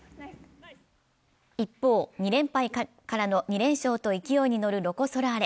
一方、２連敗からの２連勝と勢いに乗るロコ・ソラーレ。